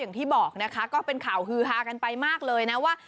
อย่างที่บอกนะคะก็เป็นข่าวฮือฮากันไปมากเลยนะว่า